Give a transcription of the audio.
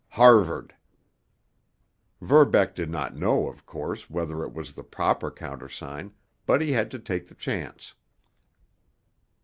"Harvard." Verbeck did not know, of course, whether it was the proper countersign, but he had to take the chance.